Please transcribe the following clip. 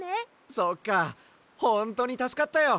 そっかほんとにたすかったよ！